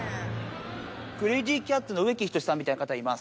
クレイジーキャッツの植木等さんみたいな方、います。